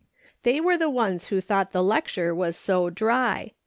They were the ones who thought the lecture was so ' dry.'